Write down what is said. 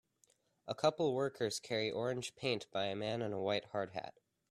A couple workers carry orange paint by a man in a white hard hat.